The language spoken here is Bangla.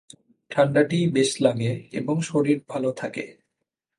ঠাণ্ডাটিই বেশ লাগে এবং শরীর ভাল থাকে।